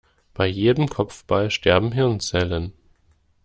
Bei jedem Kopfball sterben Hirnzellen.